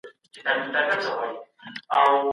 سوداګرو خپل نوي توکي خلګو ته څنګه ورپېژندل؟